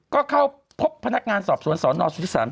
ก็เข้าพบพนักงานสอบสวนสนสุธิศาล